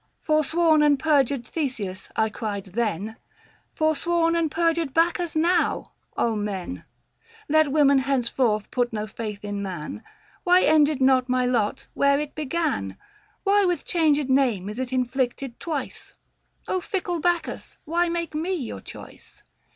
Forsworn and perjured Theseus, I cried then ; Forsworn and perjured Bacchus now ! men ! Let woman henceforth put no faith in man. 515 Why ended not my lot, where it began ; Why with changed name is it inflicted twice ? fickle Bacchus, why make me your choice